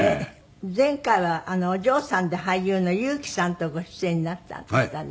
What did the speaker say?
前回はお嬢さんで俳優の優妃さんとご出演になったんでしたね。